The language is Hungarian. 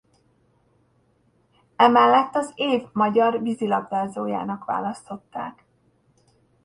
Emellett az év magyar vízilabdázójának választották.